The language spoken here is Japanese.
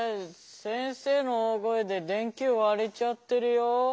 先生の大声で電球われちゃってるよ。